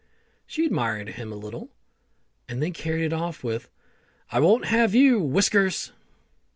She admired him a little, and then carried it off with, "I won't have you, Whiskers!"